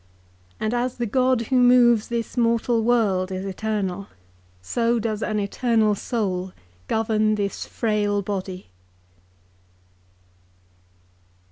And as the God who moves this mortal world is eternal, so does an eternal soul govern this frail body.'